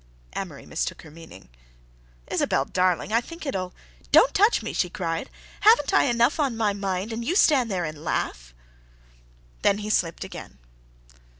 Amory mistook her meaning. "Isabelle, darling, I think it'll—" "Don't touch me!" she cried. "Haven't I enough on my mind and you stand there and laugh!" Then he slipped again.